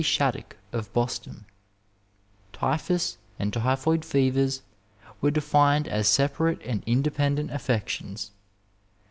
Shattuck, of Boston, t3rphus and typhoid fevers were defined as separate and independent affections.